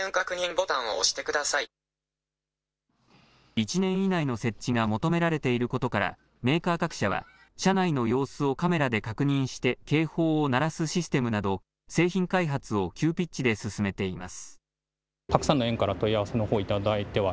１年以内の設置が求められていることからメーカー各社は車内の様子をカメラで確認して警報を鳴らすシステムなど製品開発を急ピッチで進めています。